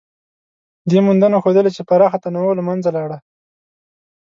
دې موندنو ښودلې، چې پراخه تنوع له منځه لاړه.